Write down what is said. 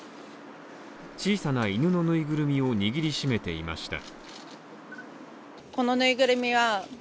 小さな犬のぬいぐるみを握りしめていました。